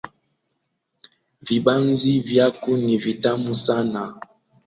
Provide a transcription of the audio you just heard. Vibanzi vyako ni vitamu sanaa